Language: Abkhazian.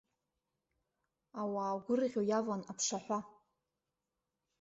Ауаа гәырӷьо иаван аԥшаҳәа.